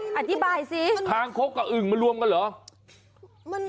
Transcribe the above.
เฮ้ยค้างคกกับอึ่งมันรวมกันเหรออธิบายสิ